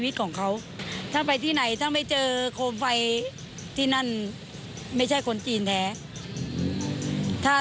ของเขาถ้าไปที่ไหนถ้าไม่เจอโคมไฟที่นั่นไม่ใช่คนจีนแท้ถ้า